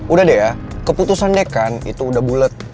udah deh ya keputusan deh kan itu udah bulet